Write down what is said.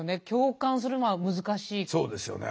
そうですよね。